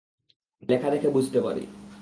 তবে লেখা দেখে বুঝতে পারি।